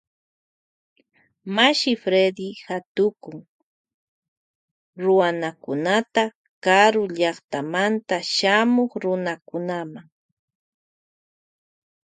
Mashi Fredy katukun Ruanakunata karu llaktamanta shamuk Runakunama.